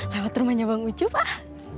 lewat rumahnya bang ucup ah